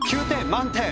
満点！